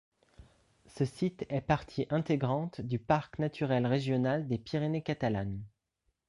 Ce site est partie intégrante du Parc naturel régional des Pyrénées catalanes.